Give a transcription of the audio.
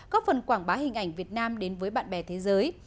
góp phần quảng bá hình ảnh việt nam đến với bạn bè thế giới